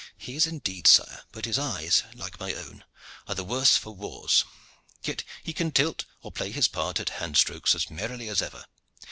"He is indeed, sire. But his eyes, like my own, are the worse for wars. Yet he can tilt or play his part at hand strokes as merrily as ever.